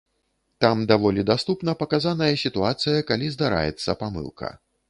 Там даволі даступна паказаная сітуацыя, калі здараецца памылка.